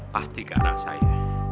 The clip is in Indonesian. pasti ke arah saya